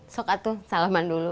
sokatu salaman dulu